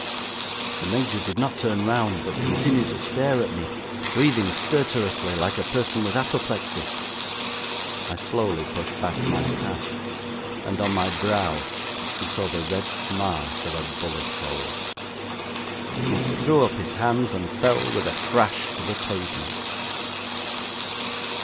The Major did not turn round, but continued to stare at me, breathing stertorously like a person with apoplexy. I slowly pushed back my hat, and on my brow he saw the red mark of a bullet hole. He threw up his hands and fell with a crash to the pavement.